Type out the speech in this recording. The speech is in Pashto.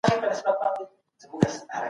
چاپلوسي د خدایانو لپاره هم کیدله.